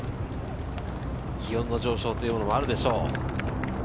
気温の上昇というのもあるでしょう。